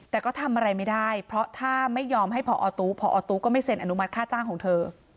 แต่ก็ทำอะไรไม่ได้เพราะถ้าไม่ยอมให้พอตู้พอตู้ก็ไม่เซ็นอนุมัติค่าจ้างของเธอ